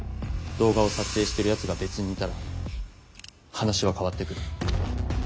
動画を撮影してるやつが別にいたら話は変わってくる。